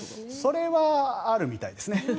それはあるみたいですね。